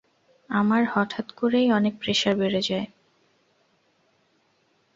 আমার হঠাৎ করেই অনেক প্রেসার বেড়ে যায়।